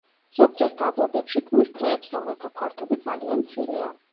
ზოგჯერ დაბლობებში ქმნის ტყეებს, რომელთა ფართობი ძალიან მცირეა.